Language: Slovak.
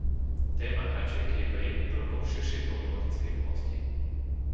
Téma hračiek je iba jedným prvkom v širšej problematickej oblasti.